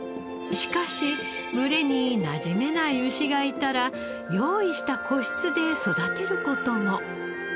しかし群れになじめない牛がいたら用意した個室で育てる事も。